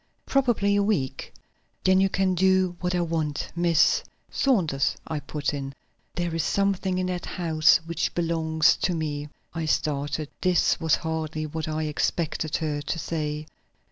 "Probably a week." "Then you can do what I want. Miss " "Saunders," I put in. "There is something in that house which belongs to me." I started; this was hardly what I expected her to say.